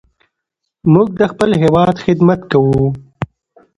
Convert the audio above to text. موږ د خپل هېواد خدمت کوو.